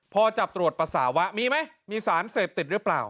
พอจับตรวจปัสสาวะมีไหมมีสารเสพติดหรือเปล่า